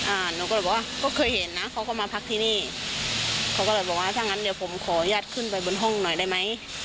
หนูก็เลยบอกว่าก็เคยเห็นนะเขาก็มาพักที่นี่เขาก็เลยบอกว่าถ้างั้นเดี๋ยวผมขออนุญาตขึ้นไปบนห้องหน่อยได้ไหม